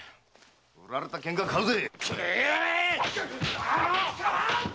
売られた喧嘩は買うぜ！